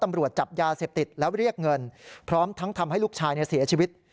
ตำรวจจับยาเสพติดแล้วเรียกเงินพร้อมทั้งทำให้ลูกชายเสียชีวิต